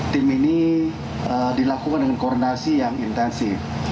tim ini dilakukan dengan koordinasi yang intensif